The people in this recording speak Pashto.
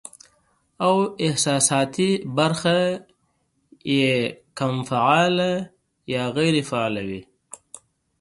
او احساساتي برخه ئې کم فعاله يا غېر فعاله وي